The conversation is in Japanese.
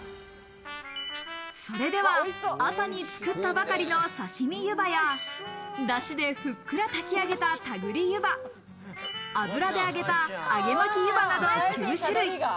それでは、朝に作ったばかりのさしみゆばや、ダシでふっくら炊き上げた、たぐりゆば、油で揚げた揚巻ゆばなど９種類。